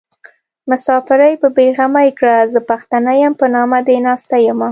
مساپري په بې غمي کړه زه پښتنه يم په نامه دې ناسته يمه